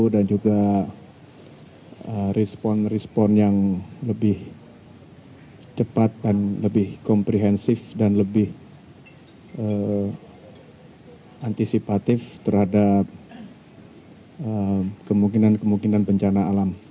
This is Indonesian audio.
dan juga respon respon yang lebih cepat dan lebih komprehensif dan lebih antisipatif terhadap kemungkinan kemungkinan bencana alam